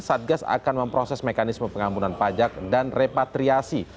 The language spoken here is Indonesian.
satgas akan memproses mekanisme pengampunan pajak dan repatriasi